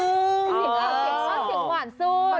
อ๋อเสียงหวานสุด